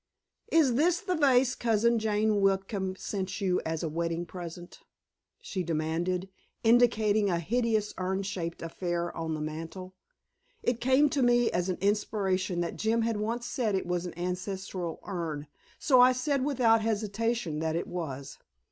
"Is this the vase Cousin Jane Whitcomb sent you as a wedding present?" she demanded, indicating a hideous urn shaped affair on the mantel. It came to me as an inspiration that Jim had once said it was an ancestral urn, so I said without hesitation that it was.